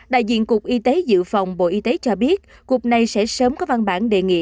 đại diện cục y tế dự phòng bộ y tế cho biết cục này sẽ sớm có văn bản đề nghị